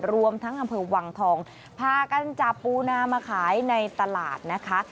รวมทั้งอำเภอวังทองพากันจับปูนามาขายในตลาดนะคะ